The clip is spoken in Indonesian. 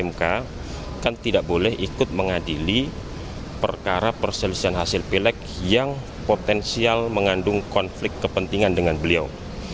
mk kan tidak boleh ikut mengadili perkara perselisihan hasil pilek yang potensial mengandung konflik kepentingan dengan beliau